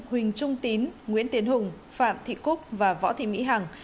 huỳnh trung tín nguyễn tiến hùng phạm thị cúc và võ thị mỹ hằng